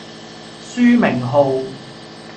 書名號